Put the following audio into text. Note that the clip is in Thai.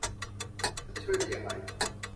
ฉันจะช่วยได้อย่างไร